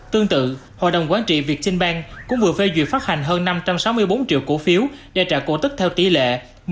tương tự hội đồng quán trị viettimbank cũng vừa phê duyệt phát hành hơn năm trăm sáu mươi bốn triệu cổ phiếu để trả cổ tức theo tỷ lệ một mươi một bảy mươi bốn